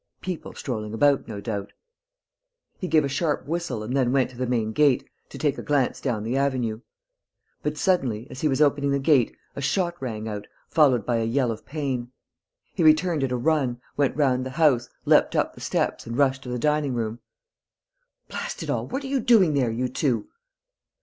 People strolling about, no doubt.... He gave a sharp whistle and then went to the main gate, to take a glance down the avenue. But, suddenly, as he was opening the gate, a shot rang out, followed by a yell of pain. He returned at a run, went round the house, leapt up the steps and rushed to the dining room: "Blast it all, what are you doing there, you two?"